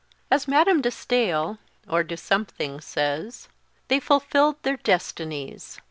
As Madame de Staël, or de Something says, "they fulfilled their destinies."